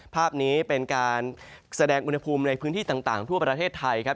ภาพนี้เป็นการแสดงอุณหภูมิในพื้นที่ต่างทั่วประเทศไทยครับ